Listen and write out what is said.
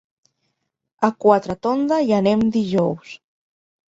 A Quatretonda hi anem dijous.